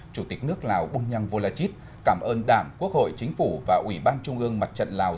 chủ tịch nước lào bùn nhăng vô la chít cảm ơn đảng quốc hội chính phủ và ủy ban trung ương mặt trận lào